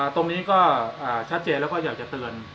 ตรงนี้ก็ชัดเจนแล้วก็อยากจะเตือน